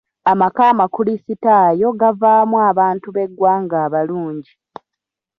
Amaka amakrisitaayo gavaamu abantu b'eggwanga abalungi.